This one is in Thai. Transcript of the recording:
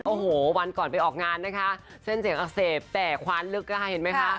โอ้โหวันก่อนไปออกงานนะคะเส้นเสียงอักเสบแต่คว้านลึกนะคะเห็นไหมคะ